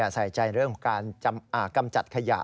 ใส่ใจเรื่องการจำอากรรมจัดขยะ